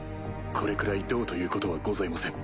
これくらいどうということはございません。